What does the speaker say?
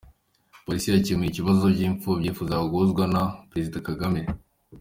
Polisi yakemuye ibibazo by’imfubyi yifuzaga guhozwa na Perezida Kagame.